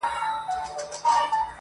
څوك به بېرته لوپټه د خور پر سر كي،